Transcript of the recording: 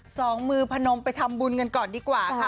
สองมือพนมไปทำบุญกันก่อนดีกว่าค่ะ